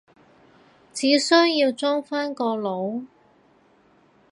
只需要裝返個腦？